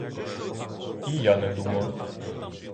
І я не думав.